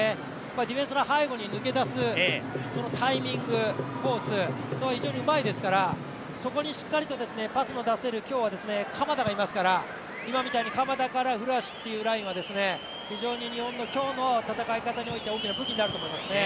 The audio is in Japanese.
ディフェンスの背後に抜け出すタイミング、コース、非常にうまいですから、そこにしっかりとパスを出せる、今日は鎌田がいますから今みたいに鎌田から古橋というラインは非常に日本の今日の戦い方において大きな武器になると思いますね。